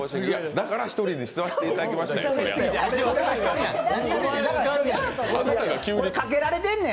だから１人にさせていただきましたやん。